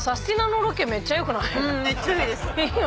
めっちゃいいです。